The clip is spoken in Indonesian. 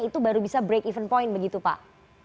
itu baru bisa break even point begitu pak